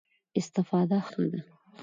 استفاده ښه ده.